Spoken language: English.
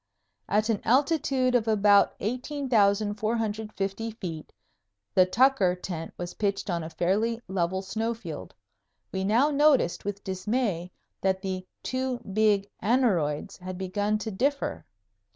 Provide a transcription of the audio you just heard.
At an altitude of about 18,450 feet, the Tucker tent was pitched on a fairly level snow field. We now noticed with dismay that the two big aneroids had begun to differ.